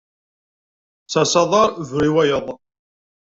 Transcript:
Sers aḍar, bru i wayeḍ.